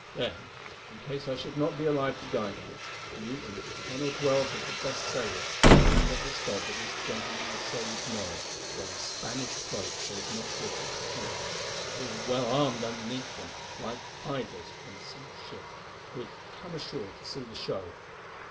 Then, in case I should not be alive to guide you, you and ten or twelve of the best sailors will land at the spot that this gentleman will show you to morrow, wearing Spanish cloaks so as not to attract attention, but being well armed underneath them, like idlers from some ship who had come ashore to see the show.